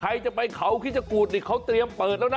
ใครจะไปเขาคิดชะกูดนี่เขาเตรียมเปิดแล้วนะ